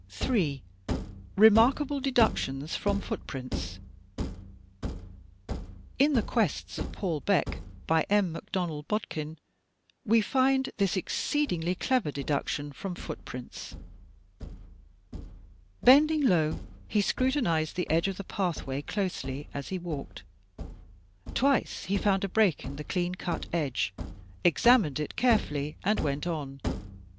J. Remarkable Deductions from Footprints In "The Quests of Paul Beck," by M. McDonnell Bod kin, we find this exceedingly clever deduction from foot prints: Bending low he scrutinized the edge of the pathway closely as he walked. Twice he found a break in the clean cut edge, examined it carefully and went on.